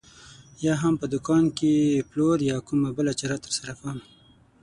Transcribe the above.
یا هم په دوکان کې پلور یا کومه بله چاره ترسره کوم.